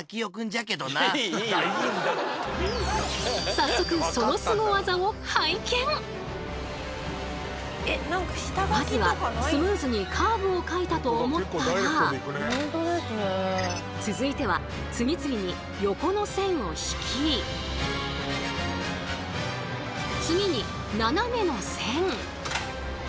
さっそくそのまずはスムーズにカーブを描いたと思ったら続いては次々に横の線を引き次に斜めの線。